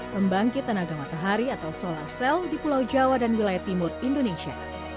pembangkit tenaga matahari atau solar cell di pulau jawa dan wilayah timur indonesia